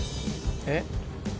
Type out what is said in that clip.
えっ？